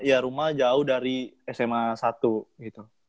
ya rumah jauh dari sma satu gitu